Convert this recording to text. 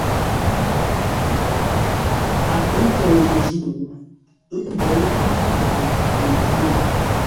A pə̌ nkôu məzə̂u, ə́ mbou mə́ nkʉ̂ʉ mətû-ndə̂.